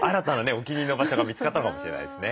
お気に入りの場所が見つかったのかもしれないですね。